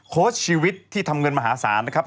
โค้ชชีวิตที่ทำเงินมหาศาลนะครับ